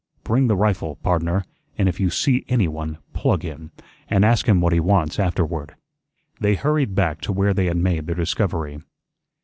Bring the rifle, pardner, an' if you see anyone, PLUG him, an' ask him what he wants afterward." They hurried back to where they had made their discovery.